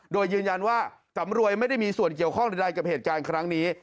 โดยยืนยันว่าสำรวยไม่ได้มีส่วนเกี่ยวข้องใดกับเหตุการณ์ครั้งนี้